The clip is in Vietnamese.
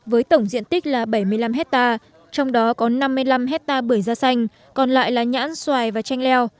với tổng diện tích là bảy mươi năm hectare trong đó có năm mươi năm hectare bưởi da xanh còn lại là nhãn xoài và chanh leo